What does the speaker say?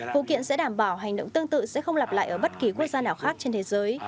vụ kiện sẽ đảm bảo hành động tương tự sẽ không lặp lại ở bất kỳ quốc gia nào khác trên thế giới